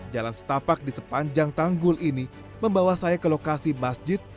jalan setapak di sepanjang tanggul ini membawa saya ke lokasi masjid